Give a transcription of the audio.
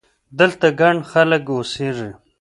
دلته ګڼ خلک اوسېږي!